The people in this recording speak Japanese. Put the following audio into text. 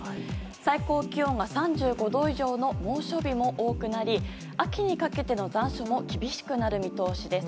最高気温が３５度以上の猛暑日も多くなり秋にかけての残暑も厳しくなる見通しです。